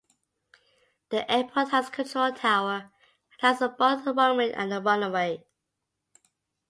The airport has a control tower and has both a runway and a runway.